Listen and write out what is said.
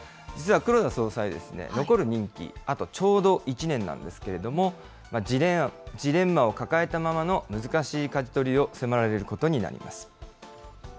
実は黒田総裁、残る任期、あとちょうど１年なんですけれども、ジレンマを抱えたままの難しいかじ取りを迫られることになります。